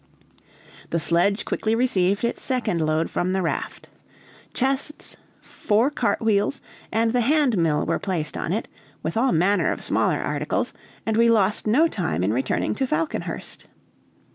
The sledge quickly received its second load from the raft. Chests, four cart wheels, and the hand mill were placed on it, with all manner of smaller articles, and we lost no time in returning to Falconhurst.